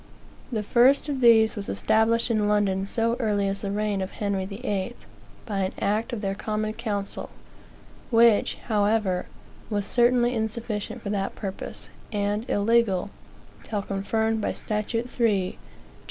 The first of these was established in London so early as the reign of Henry VIII., by an act of their common council; which, however, was certainly insufficient for that purpose, and illegal, till confirmed by statute 3 Jac.